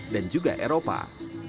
dan juga masakan yang terkenal di indonesia